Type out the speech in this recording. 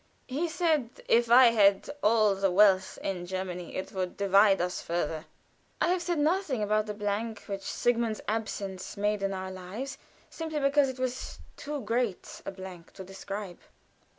He said: "If I had all the wealth in Germany, it would divide us further still." I have said nothing about the blank which Sigmund's absence made in our lives, simply because it was too great a blank to describe.